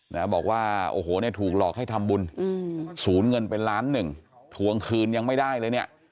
แล้วบอกว่าโอ้โหถูกหลอกให้ทำบุญศูนย์เงินเป็นล้านหนึ่งถวงคืนยังไม่ได้เลยเนี่ย